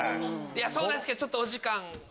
そうですけどちょっとお時間。